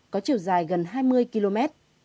có chiều dài gần hai mươi km